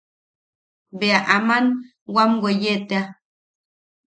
Bea aman wam weye tea.